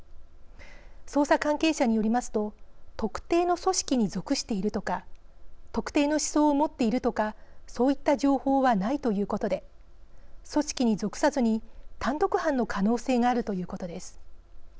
捜査関係者によりますと特定の組織に属しているとか特定の思想を持っているとかそういった情報はないということで組織に属さずに単独犯の可能性があるということです。